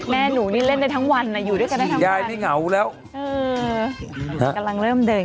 แม่หนูเล่นได้ทั้งวันอยู่ด้วยกันได้ทั้งวัน